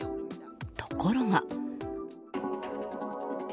ところが。